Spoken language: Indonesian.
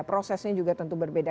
prosesnya juga tentu berbeda